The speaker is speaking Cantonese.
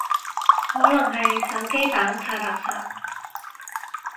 可能係手機版太垃圾